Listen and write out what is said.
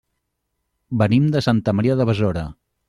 Venim de Santa Maria de Besora.